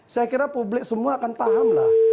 saya kira publik semua akan pahamlah